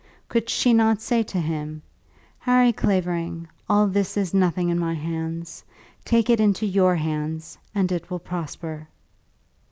Could she not say to him, "Harry Clavering, all this is nothing in my hands. Take it into your hands, and it will prosper."